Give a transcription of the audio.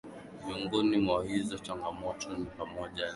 Miongoni mwa hizo changamoto ni pamoja na idadi ndogo ya wanachama